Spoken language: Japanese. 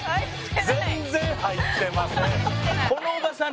全然入ってません。